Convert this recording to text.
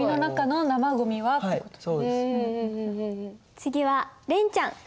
次はれんちゃん。